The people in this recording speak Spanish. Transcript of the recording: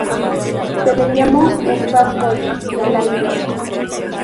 Se le llamó el "Bad Boy" del aire.